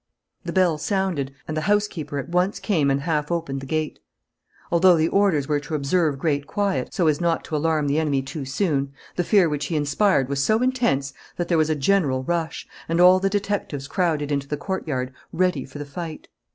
The bell sounded; and the housekeeper at once came and half opened the gate. Although the orders were to observe great quiet, so as not to alarm the enemy too soon, the fear which he inspired was so intense that there was a general rush; and all the detectives crowded into the courtyard, ready for the fight.